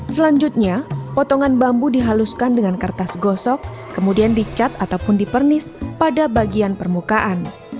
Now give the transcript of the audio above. selanjutnya potongan bambu dihaluskan dengan kertas gosok kemudian dicat ataupun dipernis pada bagian permukaan